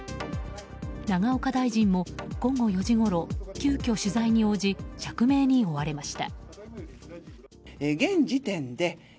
永岡大臣も午後４時ごろ急きょ、取材に応じ釈明に追われました。